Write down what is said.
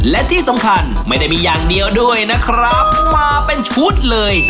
และที่สำคัญไม่ได้มีอย่างเดียวด้วยนะครับมาเป็นชุดเลย